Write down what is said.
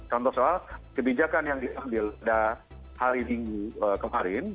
contoh soal kebijakan yang diambil pada hari minggu kemarin